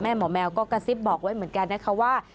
หมอแมวก็กระซิบบอกไว้เหมือนกันนะคะว่า